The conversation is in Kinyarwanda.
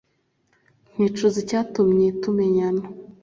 nkicuza icyatumye tumenyana